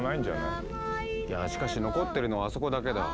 いやしかし残ってるのはあそこだけだ。